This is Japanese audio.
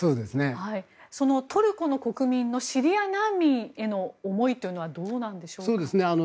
そのトルコの国民のシリア難民への思いとはどうなんでしょうか。